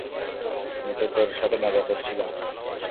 আমি তো তোর সাথে মজা করছিলাম।